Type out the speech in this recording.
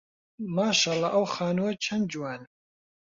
ماشەڵڵا ئەو خانووە چەند جوانە.